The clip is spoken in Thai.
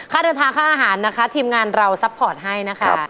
ค่าเดินทางค่าอาหารนะคะทีมงานเราซัพพอร์ตให้นะคะ